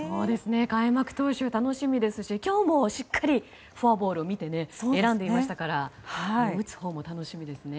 開幕投手楽しみですし今日もしっかりフォアボールを見て選んでいましたから打つほうも楽しみですね。